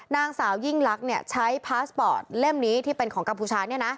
นางสาวยิ่งลักษณ์ใช้พาสปอร์ตเล่มนี้ที่เป็นของกัมพูชา